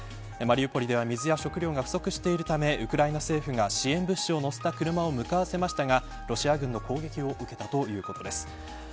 マリウポリでは水や食料が不足しているためウクライナ政府が支援物資を載せた車を向かわせましたがロシア軍の攻撃を受けたということです。